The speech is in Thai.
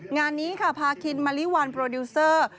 งานนี้ค่ะพาคินมะลิวันโปรดิวเซอร์